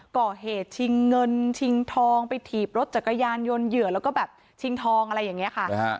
ก่อเหตุชิงเงินชิงทองไปถีบรถจักรยานยนต์เหยื่อแล้วก็แบบชิงทองอะไรอย่างนี้ค่ะ